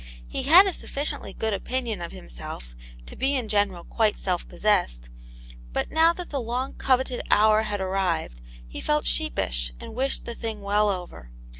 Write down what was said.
He had a sufficiently good opinion of himself to be in general quite self possessed, but now that the long coveted hour had arrived, he felt sheepish and wished the thing well over.